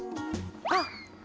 あっ！